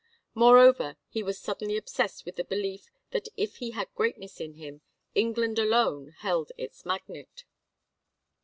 Moreover, he was suddenly obsessed with the belief that if he had greatness in him England alone held its magnet.